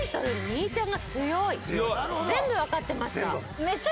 全部わかってました。